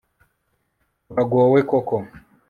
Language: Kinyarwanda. turagowe koko